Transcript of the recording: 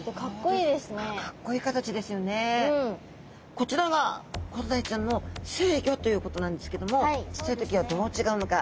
こちらがコロダイちゃんの成魚ということなんですけどもちっちゃい時はどう違うのか？